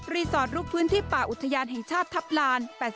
สอดลุกพื้นที่ป่าอุทยานแห่งชาติทัพลาน๘๐